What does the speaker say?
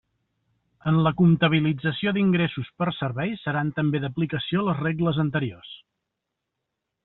En la comptabilització d'ingressos per serveis seran també d'aplicació les regles anteriors.